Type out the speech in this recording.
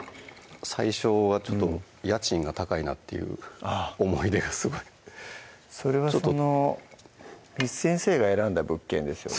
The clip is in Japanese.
最初はちょっと家賃が高いなっていう思い出がすごいそれはその簾先生が選んだ物件ですよね？